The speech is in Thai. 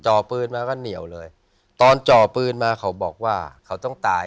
ปืนมาก็เหนียวเลยตอนจ่อปืนมาเขาบอกว่าเขาต้องตาย